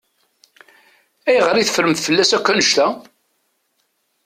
Ayɣer i teffremt fell-as akk annect-a?